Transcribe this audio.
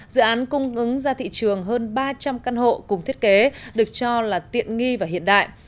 dự án cung ứng ra thị trường hơn ba trăm linh căn hộ cùng thiết kế được cho là tiện nghi và hiện đại